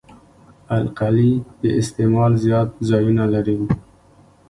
القلي د استعمال زیات ځایونه لري.